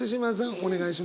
お願いします。